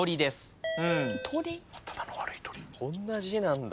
こんな字なんだ。